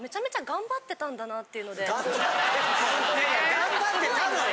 頑張ってたのよ